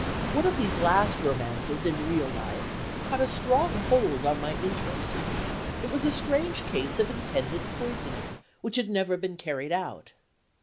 One of these last romances in real life caught a strong hold on my interest. It was a strange case of intended poisoning, which had never been carried out.